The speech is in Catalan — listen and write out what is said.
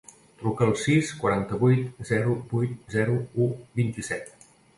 Truca al sis, quaranta-vuit, zero, vuit, zero, u, vint-i-set.